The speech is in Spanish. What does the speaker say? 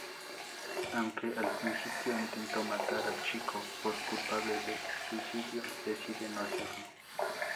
Aunque al principio intentó matar al chico por culpable del suicidio, decide no hacerlo.